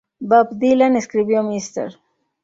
Bob Dylan escribió "Mr.